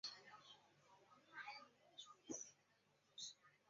一些媒体看好北京国安在客场打破广州恒大的不败金身。